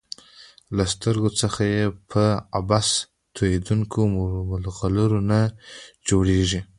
له سترګو څخه یې په عبث تویېدونکو مرغلرو نه جوړیږي.